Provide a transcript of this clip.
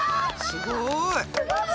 すごい！